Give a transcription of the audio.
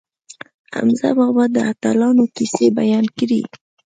حمزه بابا د اتلانو کیسې بیان کړې.